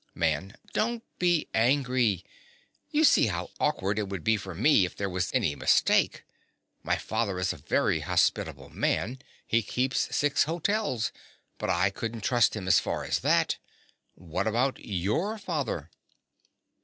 MAN. Don't be angry: you see how awkward it would be for me if there was any mistake. My father is a very hospitable man: he keeps six hotels; but I couldn't trust him as far as that. What about YOUR father?